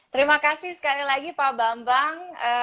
terima kasih sekali lagi pak bambang